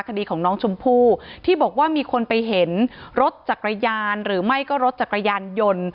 คดีของน้องชมพู่ที่บอกว่ามีคนไปเห็นรถจักรยานหรือไม่ก็รถจักรยานยนต์